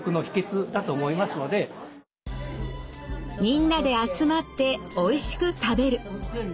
みんなで集まっておいしく食べる。